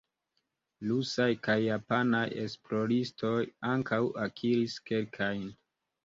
Rusaj kaj japanaj esploristoj ankaŭ akiris kelkajn.